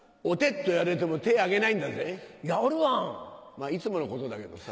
まぁいつものことだけどさ。